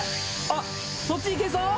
あっそっち行けそう？